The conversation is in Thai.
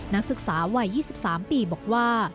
นักศึกษาวัย๒๓ปีบอกว่า